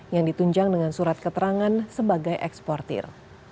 yang ditunjang dengan surat keterangan sebagai eksportir